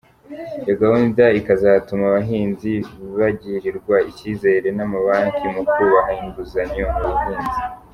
Iyo gahunda ikazatuma abahinzi bagirirwa icyizere n’amabanki mu kubaha inguzanyo mu buhinzi.